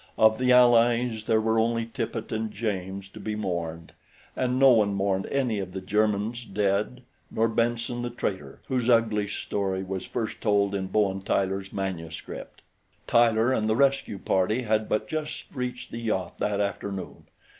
Of the Allies there were only Tippet and James to be mourned, and no one mourned any of the Germans dead nor Benson, the traitor, whose ugly story was first told in Bowen Tyler's manuscript. Tyler and the rescue party had but just reached the yacht that afternoon.